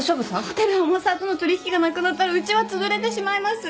ホテル天沢との取引がなくなったらうちはつぶれてしまいます。